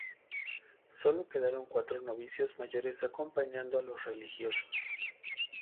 Sólo quedaron cuatro novicios mayores acompañando a los religiosos.